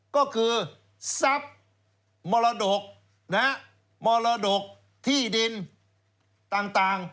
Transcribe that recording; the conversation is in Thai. ก็คือทรัพย์มรดกมรดกที่ดินต่าง